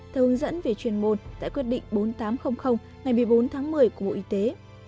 theo hướng dẫn về chuyên môn tại quyết định bốn nghìn tám trăm linh ngày một mươi bốn tháng một mươi của bộ y tế